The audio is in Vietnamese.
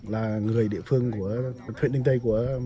là người địa phương của huyện ninh tây của tỉnh khánh hòa